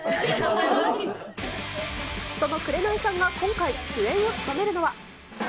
その紅さんが今回、主演を務めるのは。